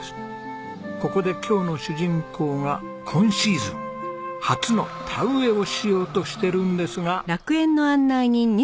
ここで今日の主人公が今シーズン初の田植えをしようとしてるんですが。